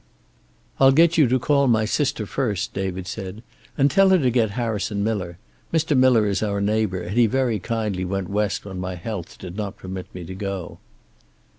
"I'll get you to call my sister first," David said. "And tell her to get Harrison Miller. Mr. Miller is our neighbor, and he very kindly went west when my health did not permit me to go."